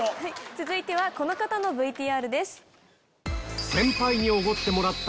続いてはこの方のＶＴＲです。